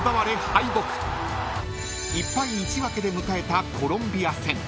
［１敗１分けで迎えたコロンビア戦］